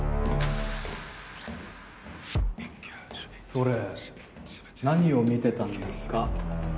・それ何を見てたんですか？